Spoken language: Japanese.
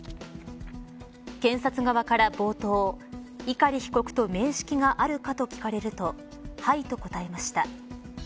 検察側から冒頭碇被告と面識があるかと聞かれるとはいと答えました。